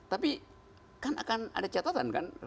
tapi kan akan ada catatan kan